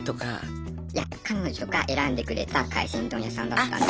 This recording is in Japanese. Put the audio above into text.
いや彼女が選んでくれた海鮮丼屋さんだったんで。